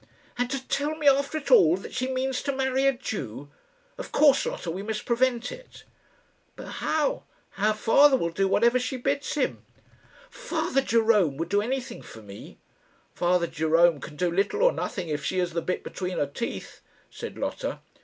"And to tell me, after it all, that she means to marry a Jew. Of course, Lotta, we must prevent it." "But how? Her father will do whatever she bids him." "Father Jerome would do anything for me." "Father Jerome can do little or nothing if she has the bit between her teeth," said Lotta.